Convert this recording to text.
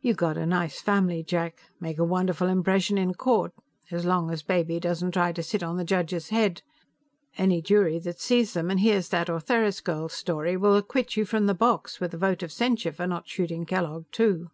"You got a nice family, Jack. Make a wonderful impression in court as long as Baby doesn't try to sit on the judge's head. Any jury that sees them and hears that Ortheris girl's story will acquit you from the box, with a vote of censure for not shooting Kellogg, too."